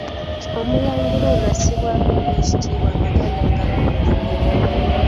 Omulangira ono assibwamu nnyo ekitiibwa Abaganda nga bamujjukira.